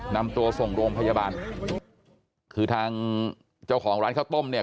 นำตัวส่งโรงพยาบาลคือทางเจ้าของร้านข้าวต้มเนี่ย